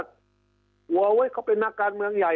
หัวเว้ยเขาเป็นนักการเมืองใหญ่